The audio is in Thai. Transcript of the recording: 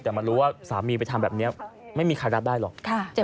แต่มารู้ว่าสามีไปทำแบบนี้ไม่มีใครรับได้หรอก